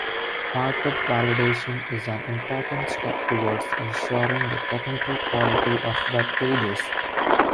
Markup validation is an important step towards ensuring the technical quality of web pages.